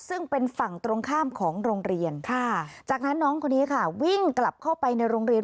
ซึ่งเป็นฝั่งตรงข้ามของโรงเรียนจากนั้นน้องคนนี้ค่ะวิ่งกลับเข้าไปในโรงเรียน